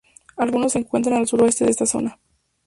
Algunos se encuentran al suroeste de esta zona.